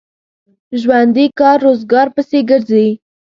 ژوندي کار روزګار پسې ګرځي